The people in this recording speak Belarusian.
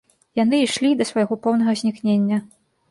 Яны ішлі да свайго поўнага знікнення.